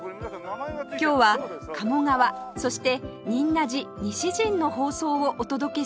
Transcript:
今日は「鴨川」そして「仁和寺西陣」の放送をお届けします！